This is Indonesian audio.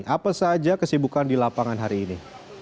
apa saja kesibukan di lapangan hari ini